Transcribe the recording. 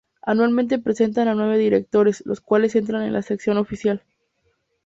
Anualmente presentan a nuevos directores, los cuales entran en la "Sección Oficial".